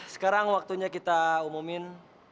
sekarang waktunya kita umumin